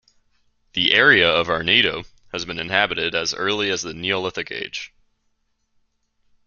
The area of Arnedo has been inhabited as early as the Neolithic Age.